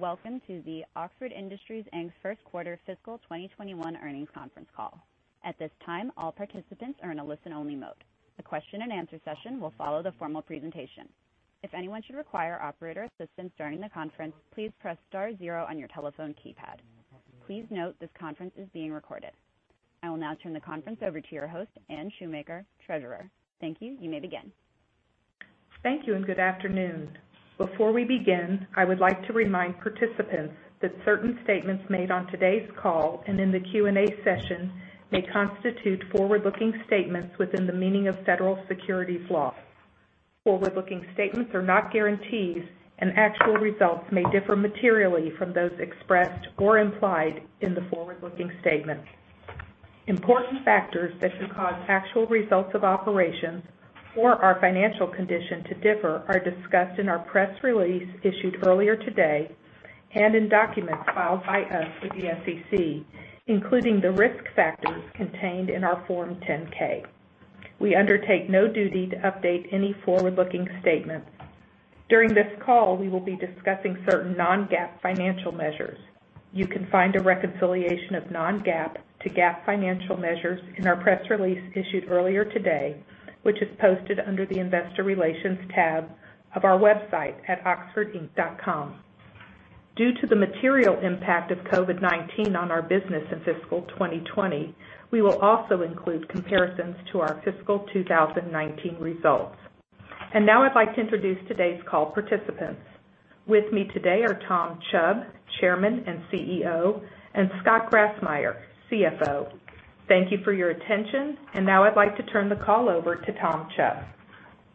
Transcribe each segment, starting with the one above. Welcome to the Oxford Industries, Inc first quarter fiscal 2021 earnings conference call. At this time all participants are in a only-listen mode. The question and answer session will follow the formal presentation. If anyone should require operator assistance during the conference please press star zero on your telephone keypad. Please note this conference is being recorded. I will now turn the conference over to your host, Anne Shoemaker, Treasurer. Thank you. You may begin. Thank you, and good afternoon. Before we begin, I would like to remind participants that certain statements made on today's call and in the Q&A session may constitute forward-looking statements within the meaning of federal securities laws. Forward-looking statements are not guarantees, and actual results may differ materially from those expressed or implied in the forward-looking statements. Important factors that could cause actual results of operations or our financial condition to differ are discussed in our press release issued earlier today and in documents filed by us with the SEC, including the risk factors contained in our Form 10-K. We undertake no duty to update any forward-looking statements. During this call, we will be discussing certain non-GAAP financial measures. You can find a reconciliation of non-GAAP to GAAP financial measures in our press release issued earlier today, which is posted under the investor relations tab of our website at oxfordinc.com. Due to the material impact of COVID-19 on our business in fiscal 2020, we will also include comparisons to our fiscal 2019 results. Now I'd like to introduce today's call participants. With me today are Tom Chubb, Chairman and CEO, and Scott Grassmyer, CFO. Thank you for your attention, now I'd like to turn the call over to Tom Chubb.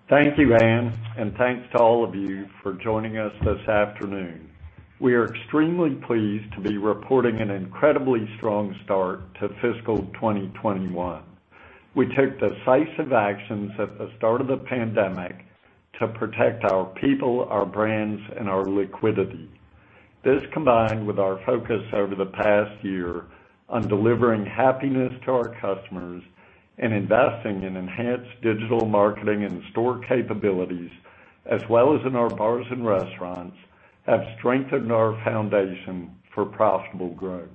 Thank you, Anne, and thanks to all of you for joining us this afternoon. We are extremely pleased to be reporting an incredibly strong start to fiscal 2021. We took decisive actions at the start of the pandemic to protect our people, our brands, and our liquidity. This, combined with our focus over the past year on delivering happiness to our customers and investing in enhanced digital marketing and store capabilities, as well as in our bars and restaurants, have strengthened our foundation for profitable growth.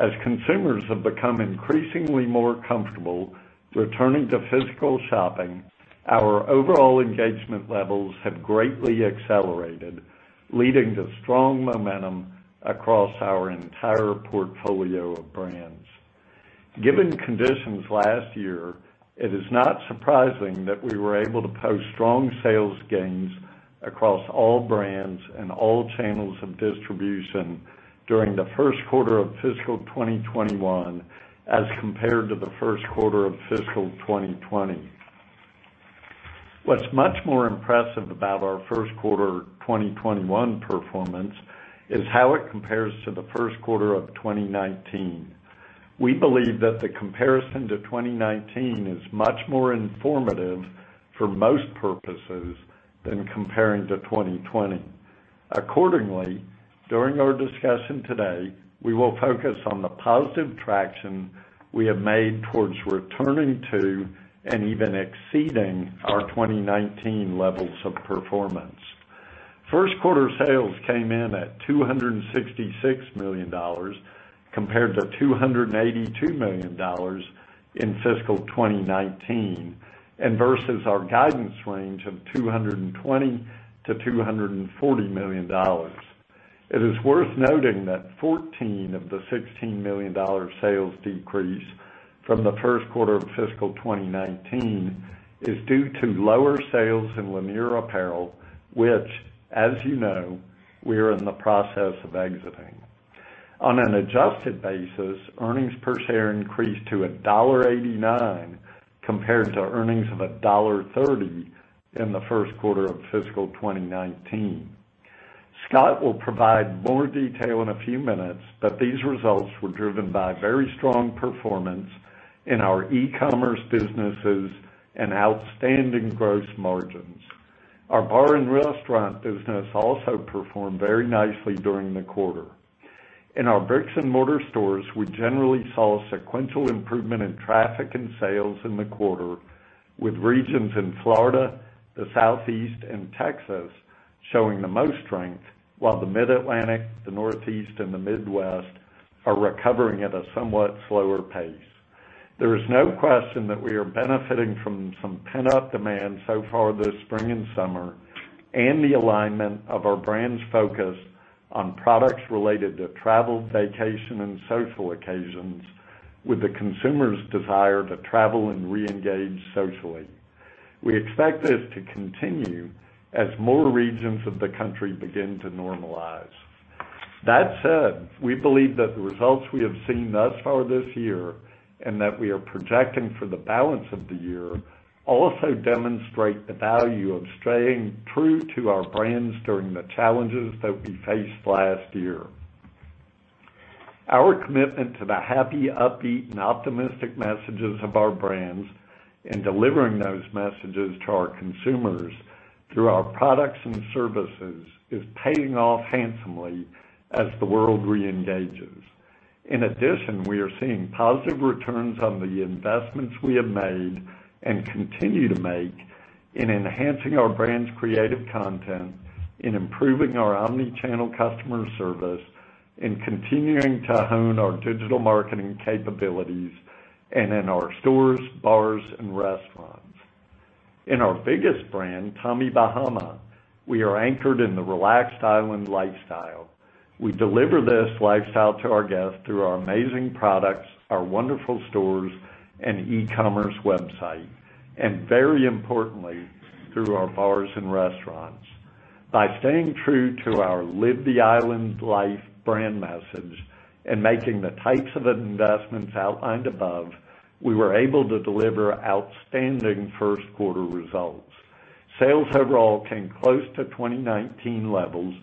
As consumers have become increasingly more comfortable returning to physical shopping, our overall engagement levels have greatly accelerated, leading to strong momentum across our entire portfolio of brands. Given conditions last year, it is not surprising that we were able to post strong sales gains across all brands and all channels of distribution during the first quarter of fiscal 2021 as compared to the first quarter of fiscal 2020. What's much more impressive about our first quarter 2021 performance is how it compares to the first quarter of 2019. We believe that the comparison to 2019 is much more informative for most purposes than comparing to 2020. Accordingly, during our discussion today, we will focus on the positive traction we have made towards returning to and even exceeding our 2019 levels of performance. First quarter sales came in at $266 million compared to $282 million in fiscal 2019 and versus our guidance range of $220 million-$240 million. It is worth noting that $14 of the $16 million sales decrease from the first quarter of fiscal 2019 is due to lower sales in Lanier Apparel, which, as you know, we are in the process of exiting. On an adjusted basis, earnings per share increased to $1.89 compared to earnings of $1.30 in the first quarter of fiscal 2019. Scott will provide more detail in a few minutes, but these results were driven by very strong performance in our e-commerce businesses and outstanding gross margins. Our bar and restaurant business also performed very nicely during the quarter. In our bricks and mortar stores, we generally saw sequential improvement in traffic and sales in the quarter with regions in Florida, the Southeast, and Texas showing the most strength, while the Mid-Atlantic, the Northeast, and the Midwest are recovering at a somewhat slower pace. There is no question that we are benefiting from some pent-up demand so far this spring and summer and the alignment of our brand's focus on products related to travel, vacation, and social occasions with the consumer's desire to travel and re-engage socially. We expect this to continue as more regions of the country begin to normalize. That said, we believe that the results we have seen thus far this year and that we are projecting for the balance of the year also demonstrate the value of staying true to our brands during the challenges that we faced last year. Our commitment to the happy, upbeat, and optimistic messages of our brands and delivering those messages to our consumers through our products and services is paying off handsomely as the world reengages. In addition, we are seeing positive returns on the investments we have made and continue to make in enhancing our brand's creative content, in improving our omni-channel customer service, in continuing to hone our digital marketing capabilities, and in our stores, bars, and restaurants. In our biggest brand, Tommy Bahama, we are anchored in the relaxed island lifestyle. We deliver this lifestyle to our guests through our amazing products, our wonderful stores, and e-commerce website, and very importantly, through our bars and restaurants. By staying true to the "Live the Island Life" brand message and making the types of investments outlined above, we were able to deliver outstanding first quarter results. Sales overall came close to 2019 levels,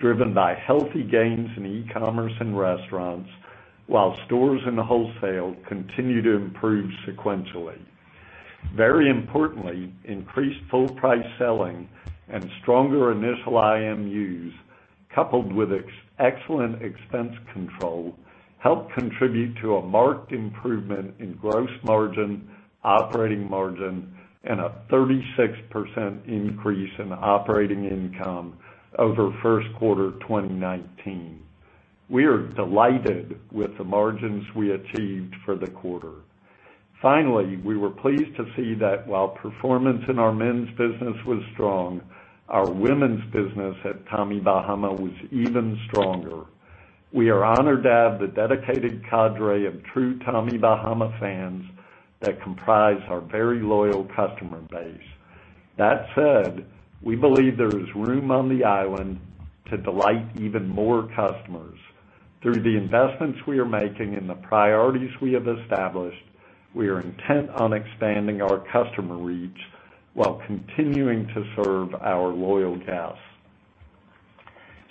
driven by healthy gains in e-commerce and restaurants, while stores and wholesale continue to improve sequentially. Very importantly, increased full price selling and stronger initial IMUs, coupled with excellent expense control, helped contribute to a marked improvement in gross margin, operating margin, and a 36% increase in operating income over first quarter of 2019. We are delighted with the margins we achieved for the quarter. Finally, we were pleased to see that while performance in our men's business was strong, our women's business at Tommy Bahama was even stronger. We are honored to have the dedicated cadre of true Tommy Bahama fans that comprise our very loyal customer base. That said, we believe there is room on the island to delight even more customers. Through the investments we are making and the priorities we have established, we are intent on expanding our customer reach while continuing to serve our loyal guests.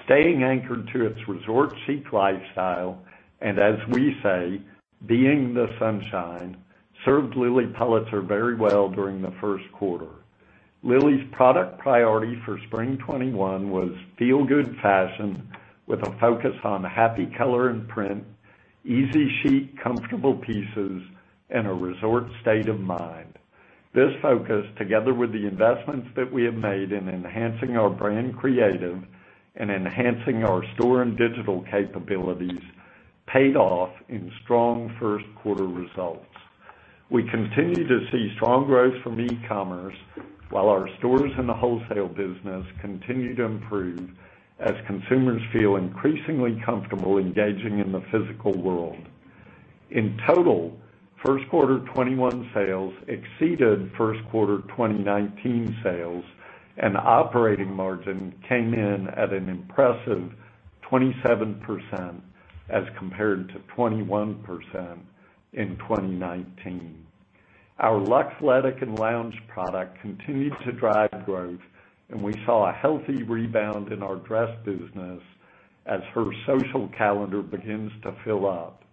Staying anchored to its resort chic lifestyle, and as we say, being the sunshine, served Lilly Pulitzer very well during the first quarter. Lilly's product priority for Spring 2021 was feel-good fashion with a focus on happy color and print, easy chic, comfortable pieces, and a resort state of mind. This focus, together with the investments that we have made in enhancing our brand creative and enhancing our store and digital capabilities, paid off in strong first quarter results. We continue to see strong growth from e-commerce while our stores and the wholesale business continue to improve as consumers feel increasingly comfortable engaging in the physical world. In total, first quarter 2021 sales exceeded first quarter 2019 sales, and operating margin came in at an impressive 27% as compared to 21% in 2019. Our Luxletic and lounge product continued to drive growth, and we saw a healthy rebound in our dress business as her social calendar begins to fill up.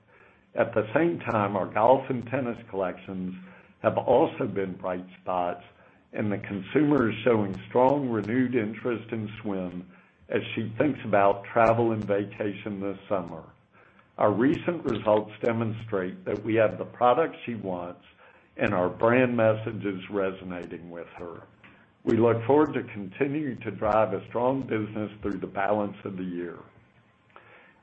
At the same time, our golf and tennis collections have also been bright spots, and the consumer is showing strong, renewed interest in swim as she thinks about travel and vacation this summer. Our recent results demonstrate that we have the products she wants, and our brand message is resonating with her. We look forward to continuing to drive a strong business through the balance of the year.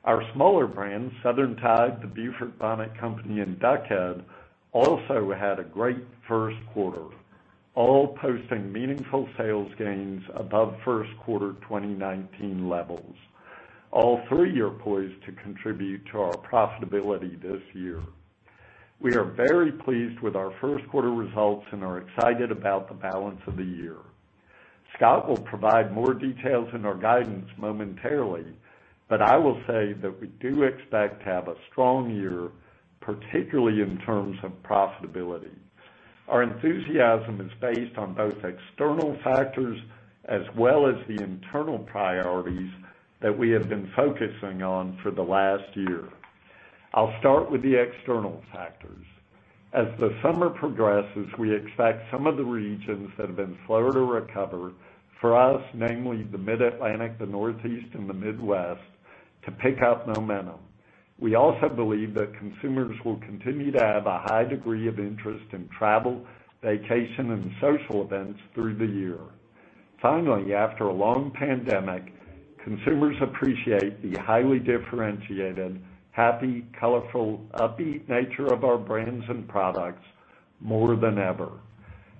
Our smaller brands, Southern Tide, The Beaufort Bonnet Company, and Duck Head, also had a great first quarter, all posting meaningful sales gains above first quarter 2019 levels. All three are poised to contribute to our profitability this year. We are very pleased with our first quarter results and are excited about the balance of the year. Scott will provide more details in our guidance momentarily, but I will say that we do expect to have a strong year, particularly in terms of profitability. Our enthusiasm is based on both external factors as well as the internal priorities that we have been focusing on for the last year. I'll start with the external factors. As the summer progresses, we expect some of the regions that have been slower to recover, for us, namely the Mid-Atlantic, the Northeast, and the Midwest, to pick up momentum. We also believe that consumers will continue to have a high degree of interest in travel, vacation, and social events through the year. Finally, after a long pandemic, consumers appreciate the highly differentiated, happy, colorful, upbeat nature of our brands and products more than ever.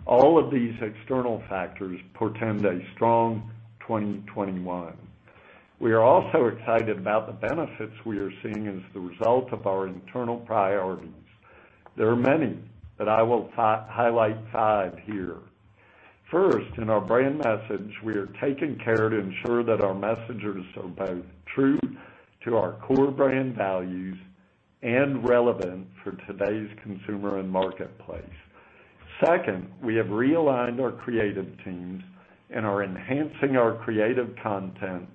All of these external factors portend a strong 2021. We are also excited about the benefits we are seeing as the result of our internal priorities. There are many, but I will highlight five here. First, in our brand message, we are taking care to ensure that our message is both true to our core brand values and relevant for today's consumer and marketplace. Second, we have realigned our creative teams and are enhancing our creative content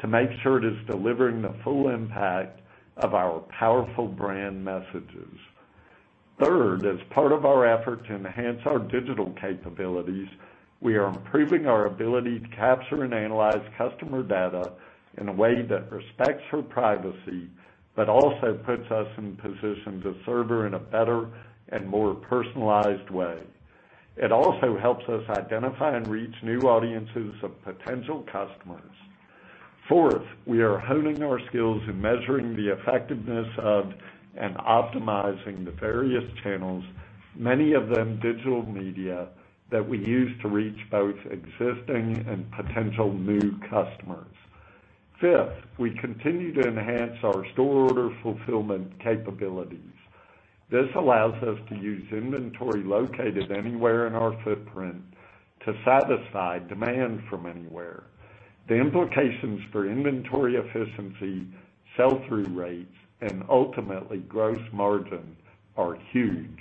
to make sure it is delivering the full impact of our powerful brand messages. Third, as part of our effort to enhance our digital capabilities, we are improving our ability to capture and analyze customer data in a way that respects her privacy, but also puts us in position to serve her in a better and more personalized way. It also helps us identify and reach new audiences of potential customers. Fourth, we are honing our skills in measuring the effectiveness of and optimizing the various channels, many of them digital media, that we use to reach both existing and potential new customers. Fifth, we continue to enhance our store order fulfillment capabilities. This allows us to use inventory located anywhere in our footprint to satisfy demand from anywhere. The implications for inventory efficiency, sell-through rates, and ultimately gross margin are huge.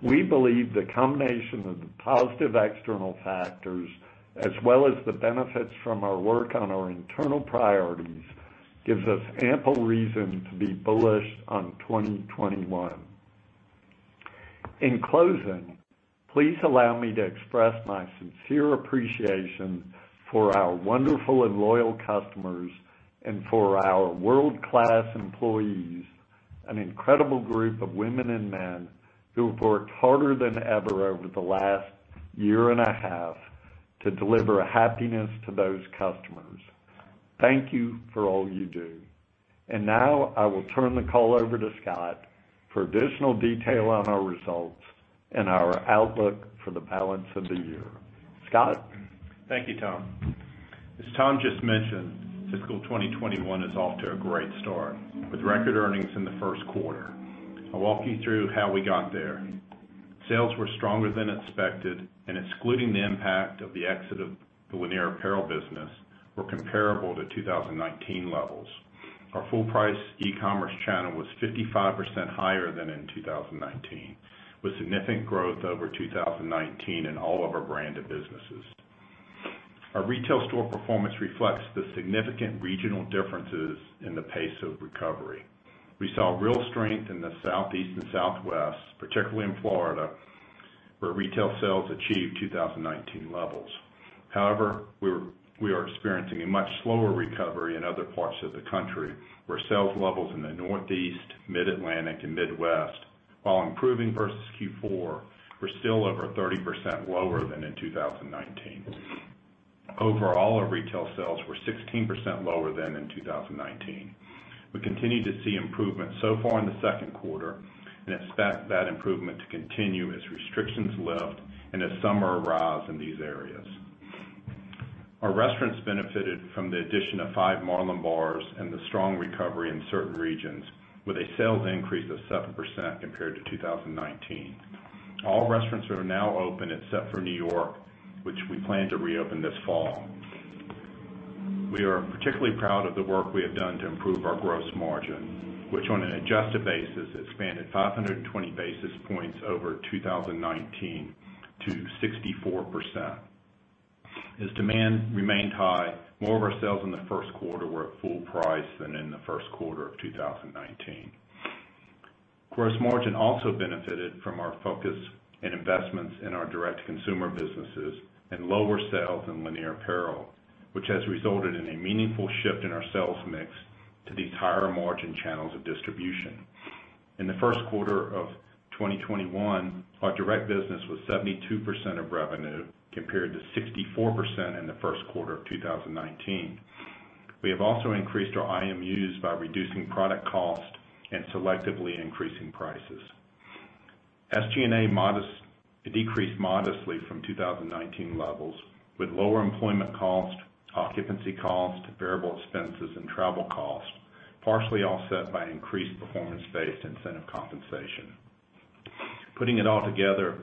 We believe the combination of the positive external factors as well as the benefits from our work on our internal priorities gives us ample reason to be bullish on 2021. In closing, please allow me to express my sincere appreciation for our wonderful and loyal customers and for our world-class employees, an incredible group of women and men who have worked harder than ever over the last year and a half to deliver happiness to those customers. Thank you for all you do. Now I will turn the call over to Scott for additional detail on our results and our outlook for the balance of the year. Scott? Thank you, Tom. As Tom just mentioned, fiscal 2021 is off to a great start with record earnings in the first quarter. I'll walk you through how we got there. Sales were stronger than expected, and excluding the impact of the exit of the Lanier Apparel business, were comparable to 2019 levels. Our full price e-commerce channel was 55% higher than in 2019, with significant growth over 2019 in all of our branded businesses. Our retail store performance reflects the significant regional differences in the pace of recovery. We saw real strength in the Southeast and Southwest, particularly in Florida, where retail sales achieved 2019 levels. However, we are experiencing a much slower recovery in other parts of the country, where sales levels in the Northeast, Mid-Atlantic, and Midwest, while improving versus Q4, were still over 30% lower than in 2019. Overall, our retail sales were 16% lower than in 2019. We continue to see improvement so far in the second quarter and expect that improvement to continue as restrictions lift and as summer arrives in these areas. Our restaurants benefited from the addition of five Marlin Bars and the strong recovery in certain regions with a sales increase of 7% compared to 2019. All restaurants are now open except for New York, which we plan to reopen this fall. We are particularly proud of the work we have done to improve our gross margin, which on an adjusted basis expanded 520 basis points over 2019 to 64%. As demand remained high, more of our sales in the first quarter were at full price than in the first quarter of 2019. Gross margin also benefited from our focus and investments in our direct consumer businesses and lower sales in Lanier Apparel, which has resulted in a meaningful shift in our sales mix to these higher margin channels of distribution. In the first quarter of 2021, our direct business was 72% of revenue, compared to 64% in the first quarter of 2019. We have also increased our IMUs by reducing product cost and selectively increasing prices. SG&A decreased modestly from 2019 levels with lower employment costs, occupancy costs, variable expenses, and travel costs, partially offset by increased performance-based incentive compensation. Putting it all together,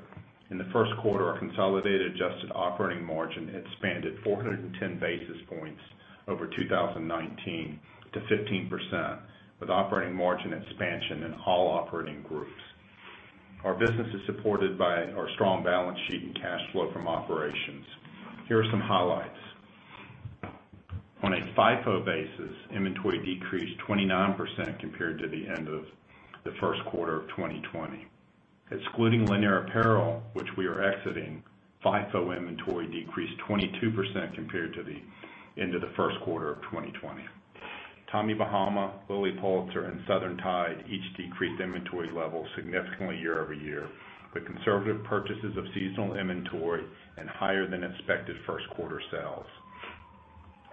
in the first quarter, our consolidated adjusted operating margin expanded 410 basis points over 2019 to 15%, with operating margin expansion in all operating groups. Our business is supported by our strong balance sheet and cash flow from operations. Here are some highlights. On a FIFO basis, inventory decreased 29% compared to the end of the first quarter of 2020. Excluding Lanier Apparel, which we are exiting, FIFO inventory decreased 22% compared to the end of the first quarter of 2020. Tommy Bahama, Lilly Pulitzer, and Southern Tide each decreased inventory levels significantly year over year with conservative purchases of seasonal inventory and higher than expected first quarter sales.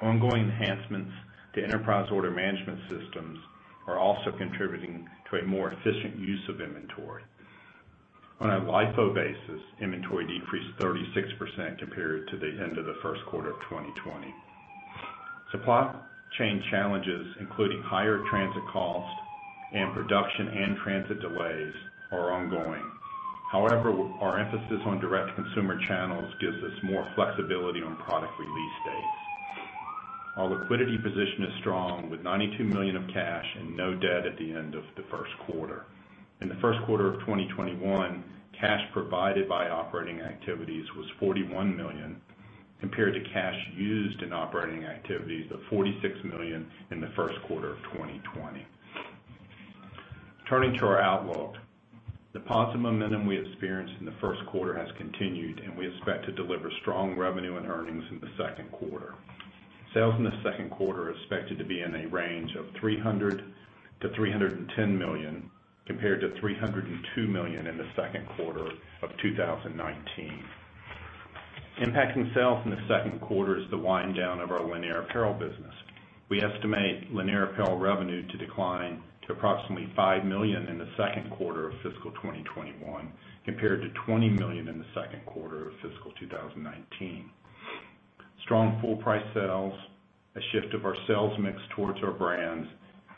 Ongoing enhancements to enterprise order management systems are also contributing to a more efficient use of inventory. On a LIFO basis, inventory decreased 36% compared to the end of the first quarter of 2020. Supply chain challenges, including higher transit costs and production and transit delays, are ongoing. Our emphasis on direct consumer channels gives us more flexibility on product release dates. Our liquidity position is strong with $92 million of cash and no debt at the end of the first quarter. In the first quarter of 2021, cash provided by operating activities was $41 million, compared to cash used in operating activities of $46 million in the first quarter of 2020. Turning to our outlook. The positive momentum we experienced in the first quarter has continued, and we expect to deliver strong revenue and earnings in the second quarter. Sales in the second quarter are expected to be in a range of $300 million-$310 million, compared to $302 million in the second quarter of 2019. Impacting sales in the second quarter is the wind-down of our Lanier Apparel business. We estimate Lanier Apparel revenue to decline to approximately $5 million in the second quarter of fiscal 2021, compared to $20 million in the second quarter of fiscal 2019. Strong full price sales, a shift of our sales mix towards our brands,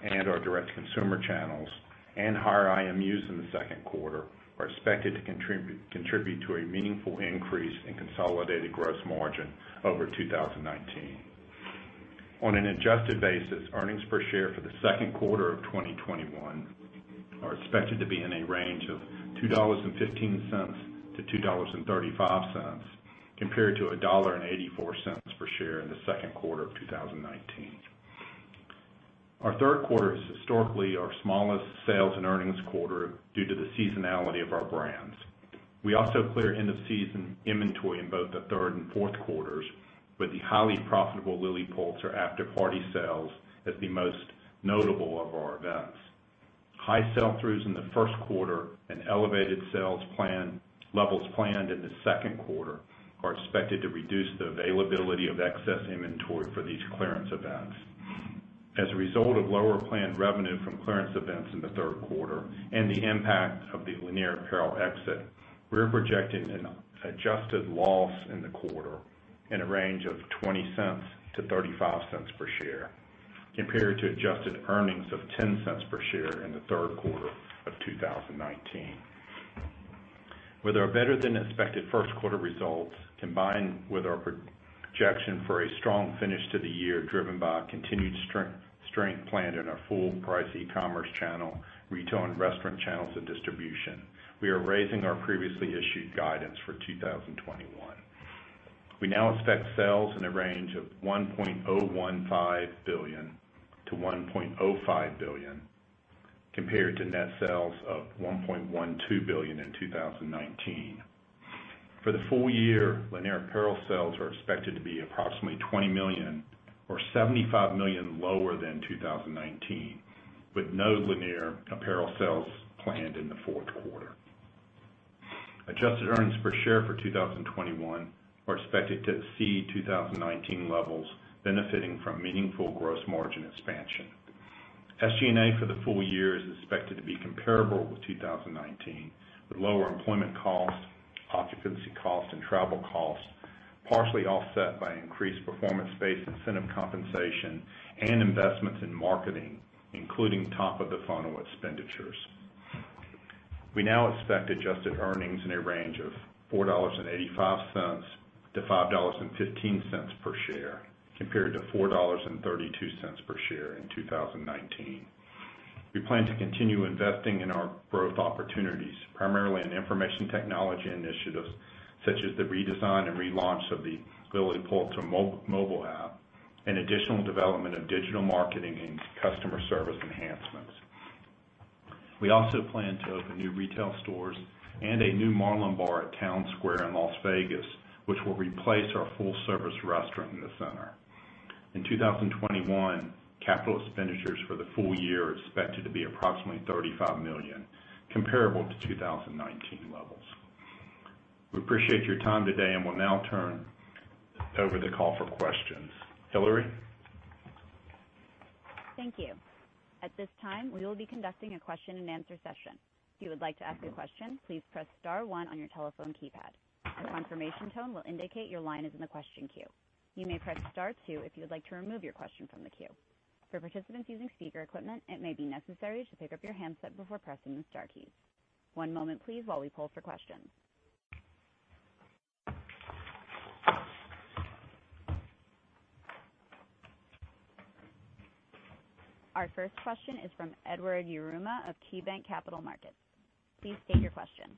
and our direct-to-consumer channels, and higher IMUs in the second quarter are expected to contribute to a meaningful increase in consolidated gross margin over 2019. On an adjusted basis, earnings per share for the second quarter of 2021 are expected to be in a range of $2.15-$2.35, compared to $1.84 per share in the second quarter of 2019. Our third quarter is historically our smallest sales and earnings quarter due to the seasonality of our brands. We also clear end-of-season inventory in both the third and fourth quarters, with the highly profitable Lilly Pulitzer After Party Sale as the most notable of our events. High sell-throughs in the first quarter and elevated sales levels planned in the second quarter are expected to reduce the availability of excess inventory for these clearance events. As a result of lower planned revenue from clearance events in the third quarter and the impact of the Lanier Apparel exit, we are projecting an adjusted loss in the quarter in a range of $0.20-$0.35 per share, compared to adjusted earnings of $0.10 per share in the third quarter of 2019. With our better-than-expected first quarter results, combined with our projection for a strong finish to the year driven by a continued strength planned in our full price e-commerce channel, retail, and restaurant channels of distribution, we are raising our previously issued guidance for 2021. We now expect sales in a range of $1.015 billion-$1.05 billion, compared to net sales of $1.12 billion in 2019. For the full year, Lanier Apparel sales are expected to be approximately $20 million, or $75 million lower than 2019, with no Lanier Apparel sales planned in the fourth quarter. Adjusted earnings per share for 2021 are expected to exceed 2019 levels, benefiting from meaningful gross margin expansion. SG&A for the full year is expected to be comparable with 2019, with lower employment costs, occupancy costs, and travel costs, partially offset by increased performance-based incentive compensation and investments in marketing, including top-of-the-funnel expenditures. We now expect adjusted earnings in a range of $4.85-$5.15 per share, compared to $4.32 per share in 2019. We plan to continue investing in our growth opportunities, primarily in information technology initiatives, such as the redesign and relaunch of the Lilly Pulitzer mobile app, and additional development of digital marketing and customer service enhancements. We also plan to open new retail stores and a new Marlin Bar at Town Square in Las Vegas, which will replace our full-service restaurant in the center. In 2021, capital expenditures for the full year are expected to be approximately $35 million, comparable to 2019 levels. We appreciate your time today and will now turn over the call for questions. Hillary? Thank you. At this time, we will be conducting a question-and-answer session. If you would like to ask a question, please press star one on your telephone keypad. A confirmation tone will indicate your line is in the question queue. You may press star two if you would like to remove your question from the queue. For participants using speaker equipment, it may be necessary to pick up your handset before pressing the star keys. One moment please while we pull for questions. Our first question is from Edward Yruma of KeyBanc Capital Markets. Please state your question.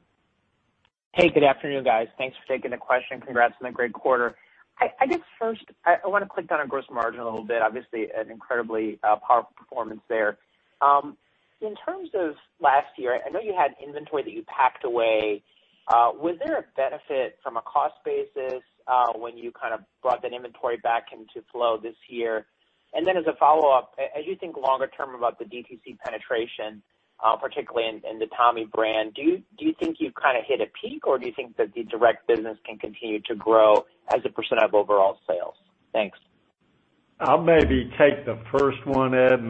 Hey, good afternoon, guys. Thanks for taking the question. Congrats on the great quarter. I guess first, I want to click on our gross margin a little bit. Obviously, an incredibly powerful performance there. In terms of last year, I know you had inventory that you packed away. Was there a benefit from a cost basis when you brought that inventory back into flow this year? As a follow-up, as you think longer term about the DTC penetration, particularly in the Tommy brand, do you think you've hit a peak, or do you think that the direct business can continue to grow as a percent of overall sales? Thanks. I'll maybe take the first one, Ed,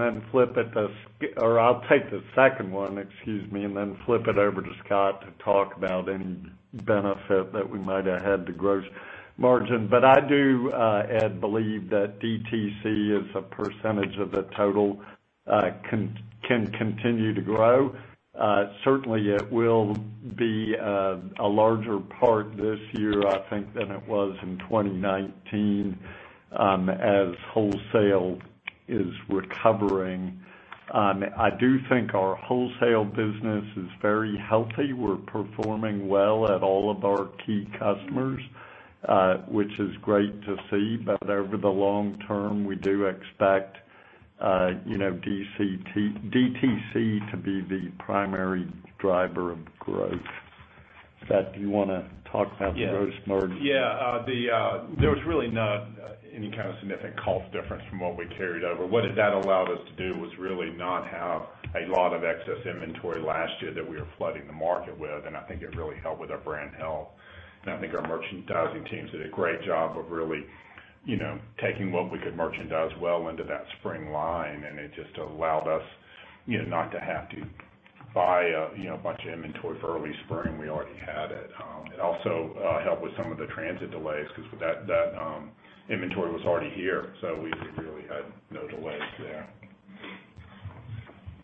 Or I'll take the second one, excuse me, and then flip it over to Scott to talk about any benefit that we might have had to gross margin. I do, Ed, believe that DTC as a percentage of the total can continue to grow. Certainly, it will be a larger part this year, I think, than it was in 2019 as wholesale is recovering. I do think our wholesale business is very healthy. We're performing well at all of our key customers, which is great to see. Over the long term, we do expect DTC to be the primary driver of growth. Scott, do you want to talk about gross margin? Yeah. There was really not any kind of significant cost difference from what we carried over. What that allowed us to do was really not have a lot of excess inventory last year that we were flooding the market with, and I think it really helped with our brand health. I think our merchandising teams did a great job of really taking what we could merchandise well into that spring line, and it just allowed us not to have to buy a bunch of inventory for early spring. We already had it. It also helped with some of the transit delays because that inventory was already here. We really had no delays there.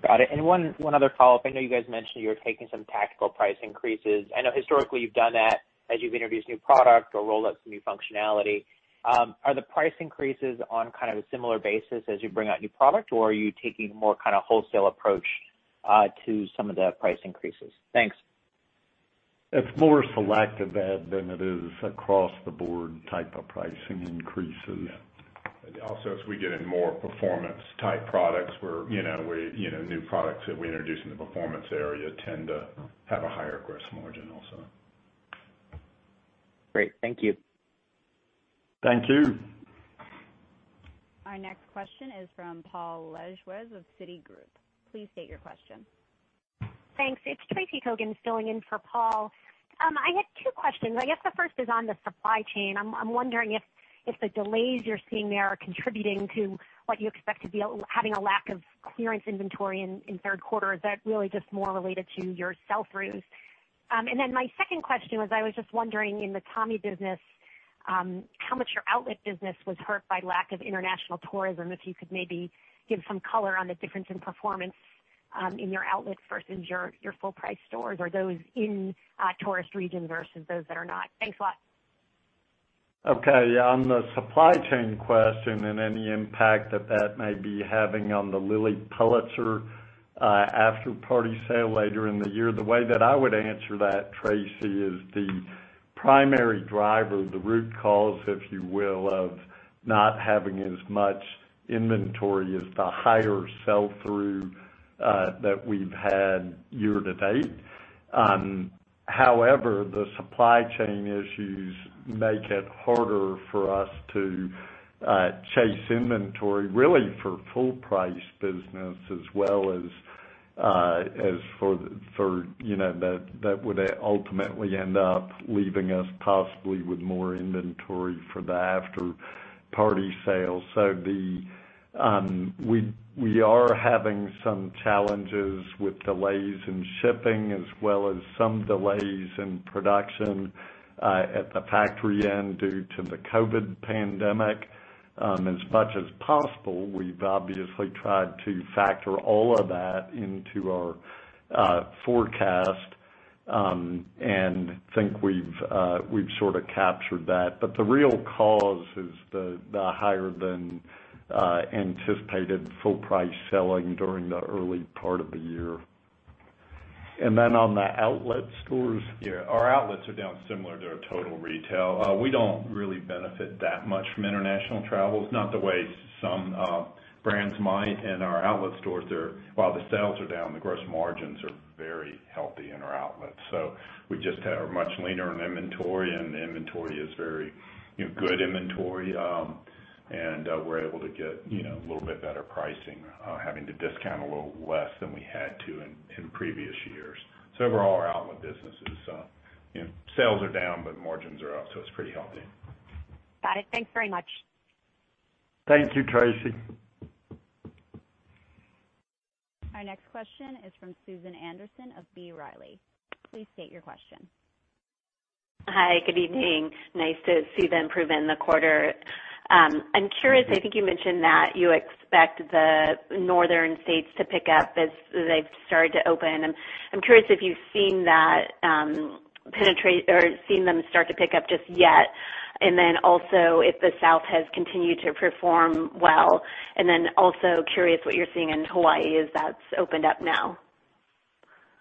Got it. One other follow-up. I know you guys mentioned you're taking some tactical price increases. I know historically you've done that as you've introduced new product or rolled out some new functionality. Are the price increases on a similar basis as you bring out new product, or are you taking more wholesale approach to some of the price increases? Thanks. It's more selective, Ed, than it is across the board type of pricing increases. Yeah. Also, as we get in more performance type products, new products that we introduce in the performance area tend to have a higher gross margin also. Great. Thank you. Thank you. Our next question is from Paul Lejuez of Citigroup. Please state your question. Thanks. It's Tracy Kogan filling in for Paul. I had two questions. I guess the first is on the supply chain. I'm wondering if the delays you're seeing there are contributing to what you expect to be having a lack of clearance inventory in third quarter, or is that really just more related to your sell-throughs? My second question was, I was just wondering in the Tommy business, how much your outlet business was hurt by lack of international tourism. If you could maybe give some color on the difference in performance in your outlets versus your full price stores. Are those in tourist region versus those that are not? Thanks a lot. Okay. On the supply chain question and any impact that that may be having on the Lilly Pulitzer After Party Sale later in the year. The way that I would answer that, Tracy, is the primary driver, the root cause, if you will, of not having as much inventory is the higher sell-through that we've had year to date. The supply chain issues make it harder for us to chase inventory really for full price business as well as for, that would ultimately end up leaving us possibly with more inventory for the After Party Sale. We are having some challenges with delays in shipping as well as some delays in production at the factory end due to the COVID-19 pandemic. As much as possible, we've obviously tried to factor all of that into our forecast, and think we've sort of captured that. The real cause is the higher than anticipated full price selling during the early part of the year. On the outlet stores. Yeah. Our outlets are down similar to our total retail. We don't really benefit that much from international travel. It's not the way some brands might in our outlet stores. While the sales are down, the gross margins are very healthy in our outlets. We just have much leaner inventory, and the inventory is very good inventory. We're able to get a little bit better pricing, having to discount a little less than we had to in previous years for all our outlet businesses. Sales are down, but margins are up, so it's pretty healthy. Got it. Thanks very much. Thank you, Tracy. Our next question is from Susan Anderson of B. Riley. Please state your question. Hi, good evening. Nice to see the improvement in the quarter. I'm curious, I think you mentioned that you expect the northern states to pick up as they start to open, and I'm curious if you've seen that penetrate there or seen them start to pick up just yet. Then also, if the South has continued to perform well, and then also curious what you're seeing in Hawaii as that's opened up now.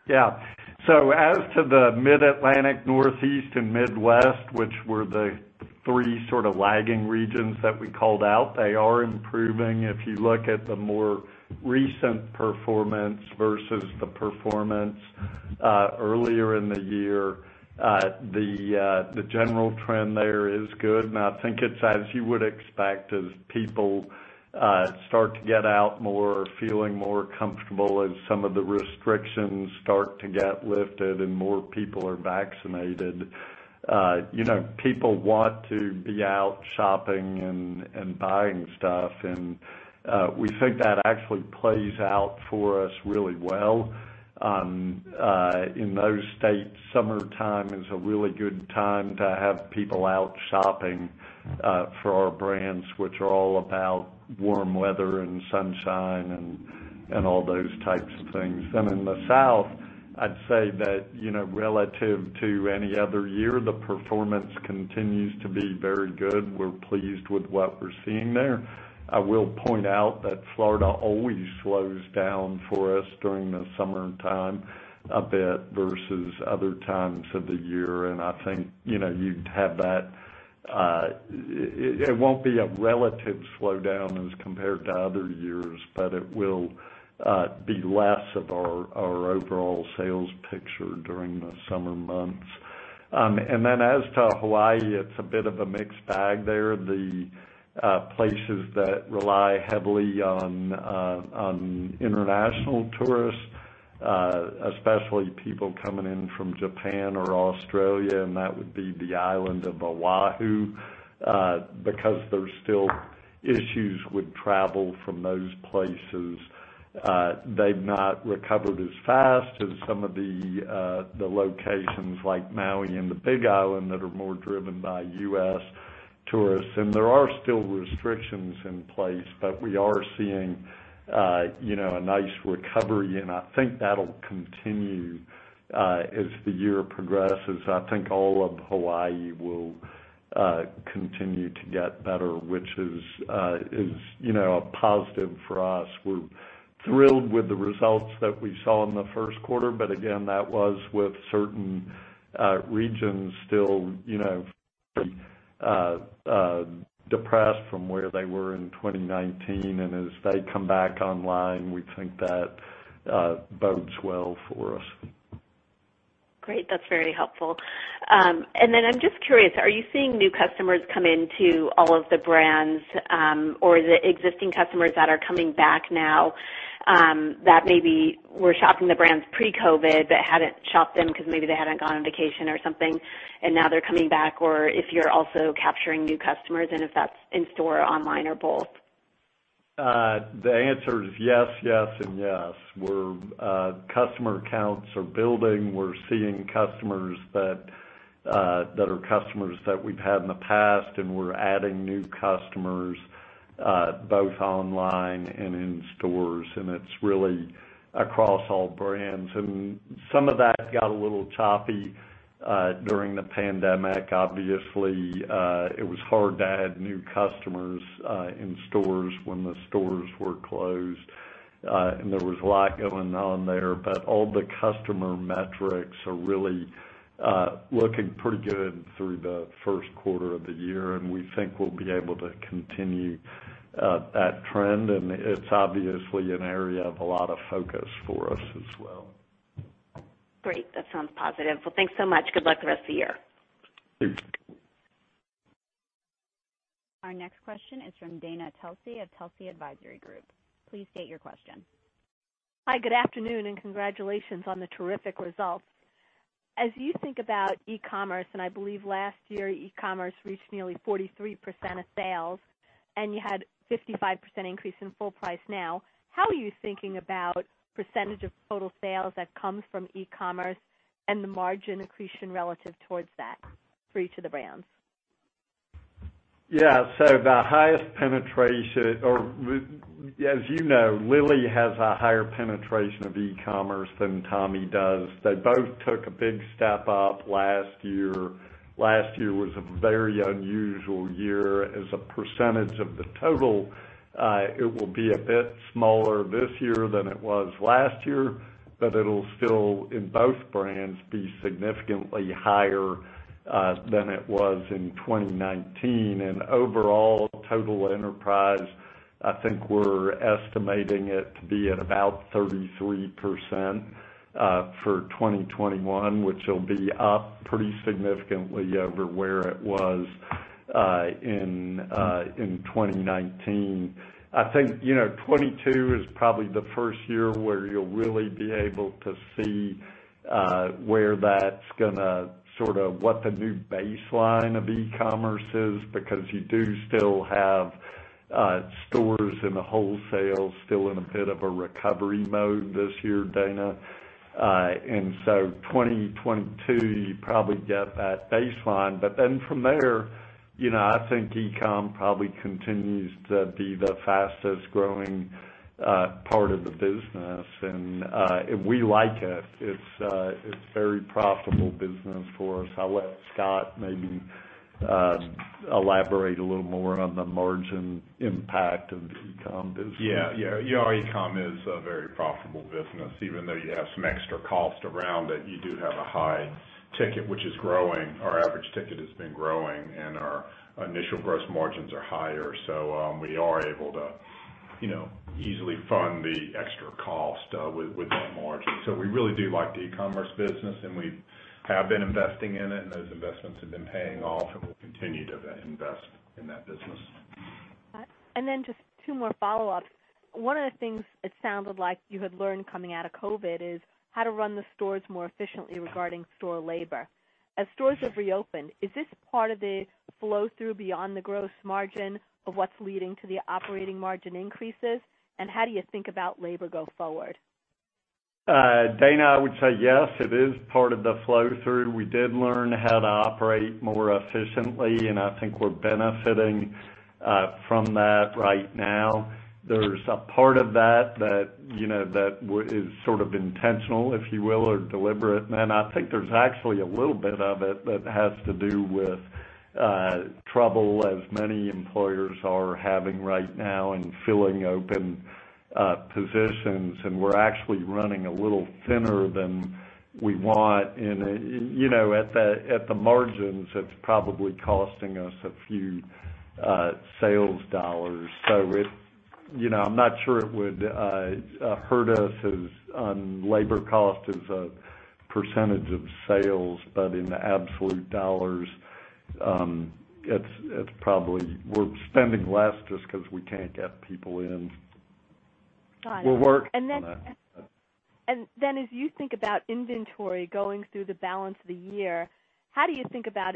As to the Mid-Atlantic, Northeast, and Midwest, which were the three sort of lagging regions that we called out, they are improving. If you look at the more recent performance versus the performance earlier in the year, the general trend there is good, and I think it's as you would expect, as people start to get out more, feeling more comfortable as some of the restrictions start to get lifted and more people are vaccinated. People want to be out shopping and buying stuff, and we think that actually plays out for us really well. In those states, summertime is a really good time to have people out shopping for our brands, which are all about warm weather and sunshine and all those types of things. In the South, I'd say that relative to any other year, the performance continues to be very good. We're pleased with what we're seeing there. I will point out that Florida always slows down for us during the summertime a bit versus other times of the year, and I think you'd have that. It won't be a relative slowdown as compared to other years, but it will be less of our overall sales picture during the summer months. As to Hawaii, it's a bit of a mixed bag there. The places that rely heavily on international tourists, especially people coming in from Japan or Australia, and that would be the island of Oahu. Because there's still issues with travel from those places, they've not recovered as fast as some of the locations like Maui and the Big Island that are more driven by U.S. tourists. There are still restrictions in place, but we are seeing a nice recovery, and I think that'll continue as the year progresses. I think all of Hawaii will continue to get better, which is a positive for us. We're thrilled with the results that we saw in the first quarter, but again, that was with certain regions still very depressed from where they were in 2019. As they come back online, we think that bodes well for us. Great. That's very helpful. I'm just curious, are you seeing new customers come into all of the brands, or is it existing customers that are coming back now that maybe were shopping the brands pre-COVID but hadn't shopped them because maybe they hadn't gone on vacation or something, and now they're coming back? Or if you're also capturing new customers, and if that's in-store, online, or both? The answer is yes, and yes. Customer counts are building. We're seeing customers that are customers that we've had in the past, and we're adding new customers both online and in stores, and it's really across all brands. Some of that got a little choppy during the pandemic. Obviously, it was hard to add new customers in stores when the stores were closed, and there was a lot going on there. All the customer metrics are really looking pretty good through the first quarter of the year, and we think we'll be able to continue that trend. It's obviously an area of a lot of focus for us as well. Great. That sounds positive. Well, thanks so much. Good luck the rest of the year. Thanks. Our next question is from Dana Telsey of Telsey Advisory Group. Please state your question. Hi, good afternoon, and congratulations on the terrific results. As you think about e-commerce, and I believe last year e-commerce reached nearly 43% of sales, and you had a 55% increase in full price now. How are you thinking about percentage of total sales that comes from e-commerce and the margin accretion relative towards that for each of the brands? Yeah. The highest penetration, or as you know, Lilly has a higher penetration of e-commerce than Tommy does. They both took a big step up last year. Last year was a very unusual year. As a percentage of the total, it will be a bit smaller this year than it was last year, but it'll still, in both brands, be significantly higher than it was in 2019. Overall, total enterprise, I think we're estimating it to be at about 33% for 2021, which will be up pretty significantly over where it was in 2019. I think 2022 is probably the first year where you'll really be able to see where that's going to sort of what the new baseline of e-commerce is because you do still have stores and wholesale still in a bit of a recovery mode this year, Dana. 2022, you probably get that baseline. From there, I think e-com probably continues to be the fastest-growing part of the business, and we like it. It's very profitable business for us. I'll let Scott maybe elaborate a little more on the margin impact of the e-com business. Yeah. e-com is a very profitable business. Even though you have some extra cost around it, you do have a high ticket, which is growing. Our average ticket has been growing, and our initial gross margins are higher. We are able to easily fund the extra cost with that margin. We really do like the e-commerce business, and we have been investing in it, and those investments have been paying off, and we'll continue to invest in that business. Then just two more follow-ups. One of the things it sounded like you had learned coming out of COVID is how to run the stores more efficiently regarding store labor. As stores have reopened, is this part of a flow-through beyond the gross margin of what's leading to the operating margin increases? How do you think about labor going forward? Dana, I would say yes, it is part of the flow through. We did learn how to operate more efficiently, and I think we're benefiting from that right now. There's a part of that is sort of intentional, if you will, or deliberate. Then I think there's actually a little bit of it that has to do with trouble as many employers are having right now in filling open positions, and we're actually running a little thinner than we want. At the margins, it's probably costing us a few sales dollars. I'm not sure it would hurt us on labor cost as a percent of sales, but in absolute U.S. dollars, we're spending less just because we can't get people in. We're working on that. As you think about inventory going through the balance of the year, how do you think about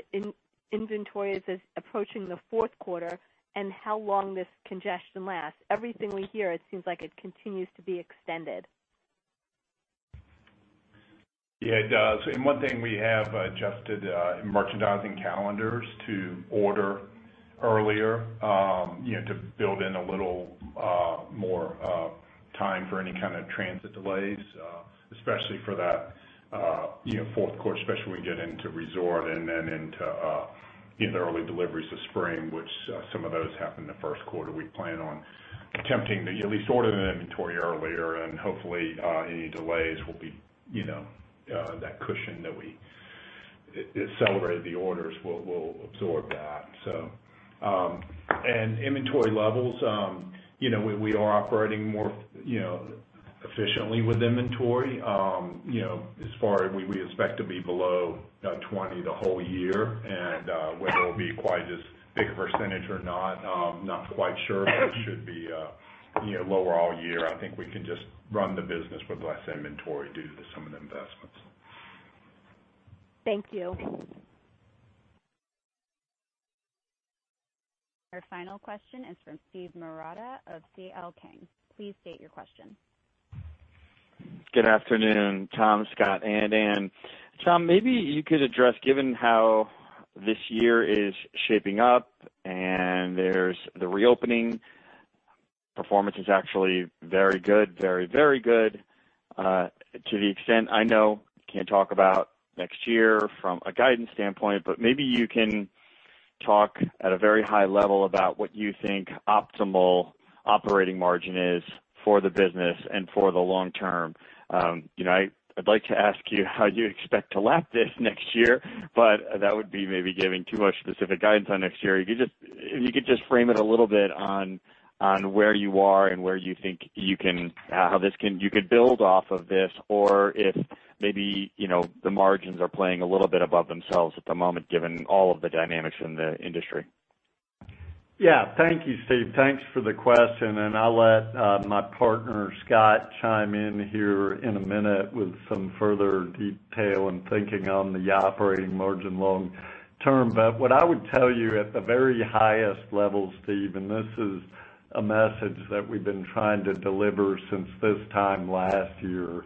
inventory as it's approaching the fourth quarter and how long this congestion lasts? Everything we hear, it seems like it continues to be extended. Yeah, it does. One thing we have adjusted in merchandising calendars to order earlier, to build in a little more time for any kind of transit delays, especially for that fourth quarter, especially when we get into resort and then into early deliveries of spring, which some of those happen the first quarter. We plan on attempting to at least order the inventory earlier and hopefully any delays will be that cushion that we accelerated the orders will absorb that. Inventory levels, we are operating more efficiently with inventory. As far as we expect to be below 20% the whole year and whether it'll be quite as big a percentage or not, I'm not quite sure, but it should be lower all year. I think we can just run the business with less inventory due to some of the investments. Thank you. Our final question is from Steve Marotta of C.L. King. Please state your question. Good afternoon, Tom, Scott, and Anne. Tom, maybe you could address, given how this year is shaping up and there's the reopening, performance is actually very good. To the extent, I know you can't talk about next year from a guidance standpoint, but maybe you can talk at a very high level about what you think optimal operating margin is for the business and for the long term. I'd like to ask you how you expect to lap this next year, but that would be maybe giving too much specific guidance on next year. If you could just frame it a little bit on where you are and where you think you could build off of this or if maybe the margins are playing a little bit above themselves at the moment, given all of the dynamics in the industry. Yeah. Thank you, Steve. Thanks for the question. I'll let my partner, Scott, chime in here in a minute with some further detail and thinking on the operating margin long term. What I would tell you at the very highest level, Steve, and this is a message that we've been trying to deliver since this time last year,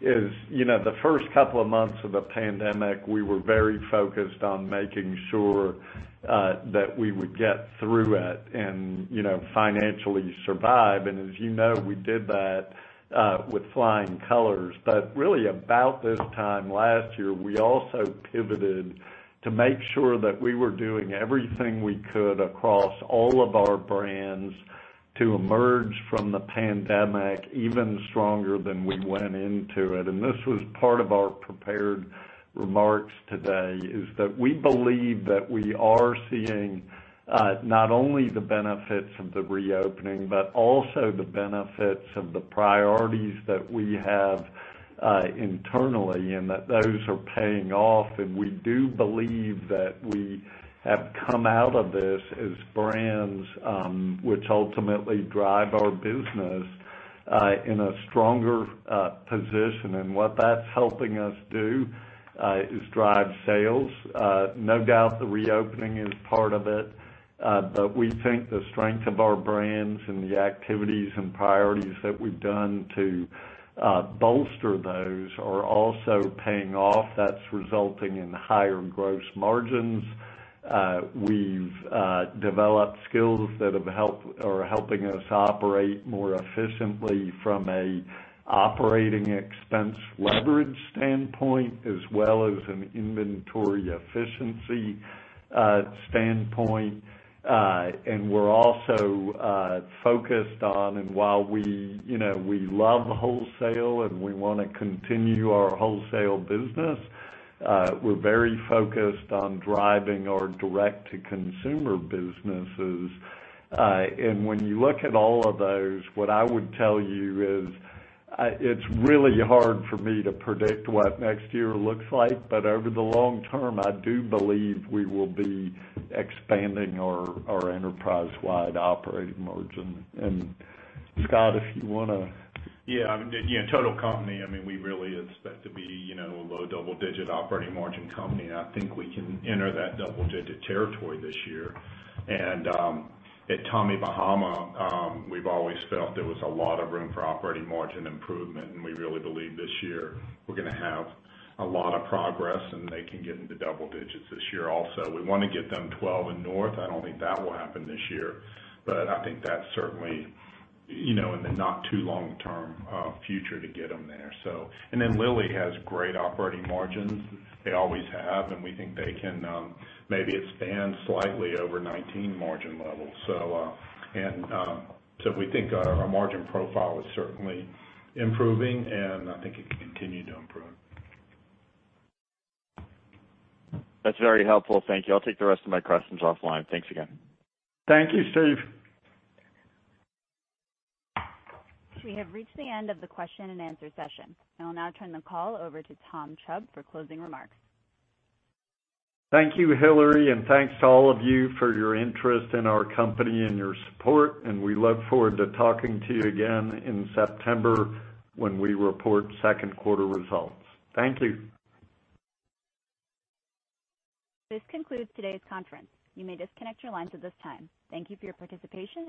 is the first couple of months of the pandemic, we were very focused on making sure that we would get through it and financially survive. As you know, we did that with flying colors. Really about this time last year, we also pivoted to make sure that we were doing everything we could across all of our brands to emerge from the pandemic even stronger than we went into it. This was part of our prepared remarks today, is that we believe that we are seeing not only the benefits of the reopening, but also the benefits of the priorities that we have internally, and that those are paying off. We do believe that we have come out of this as brands, which ultimately drive our business, in a stronger position. What that's helping us do is drive sales. No doubt the reopening is part of it, but we think the strength of our brands and the activities and priorities that we've done to bolster those are also paying off. That's resulting in higher gross margins. We've developed skills that are helping us operate more efficiently from an operating expense leverage standpoint, as well as an inventory efficiency standpoint. We're also focused on, and while we love wholesale and we want to continue our wholesale business, we're very focused on driving our direct-to-consumer businesses. When you look at all of those, what I would tell you is it's really hard for me to predict what next year looks like. Over the long term, I do believe we will be expanding our enterprise-wide operating margin. Scott, if you want to. Yeah. Total company, we really expect to be a low double-digit operating margin company. I think we can enter that double-digit territory this year. At Tommy Bahama, we've always felt there was a lot of room for operating margin improvement, and we really believe this year we're going to have a lot of progress, and they can get into double digits this year also. We want to get them 12 and north. I don't think that will happen this year, but I think that's certainly in the not too long term future to get them there. Lilly has great operating margins. They always have, and we think they can maybe expand slightly over '19 margin levels. We think our margin profile is certainly improving, and I think it can continue to improve. That's very helpful. Thank you. I'll take the rest of my questions offline. Thanks again. Thank you, Steve. We have reached the end of the question and answer session. I'll now turn the call over to Tom Chubb for closing remarks. Thank you, Hillary, and thanks to all of you for your interest in our company and your support, and we look forward to talking to you again in September when we report second quarter results. Thank you. This concludes today's conference. You may disconnect your lines at this time. Thank you for your participation.